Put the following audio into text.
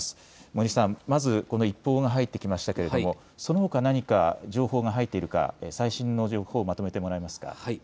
森さん、まずこの一報が入ってきましたけれどもそのほか何か情報が入っているか最新の情報まとめてもらえますか。